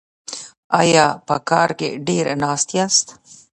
ایا په کار کې ډیر ناست یاست؟